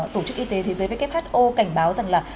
tổ chức y tế thế giới who cảnh báo rằng là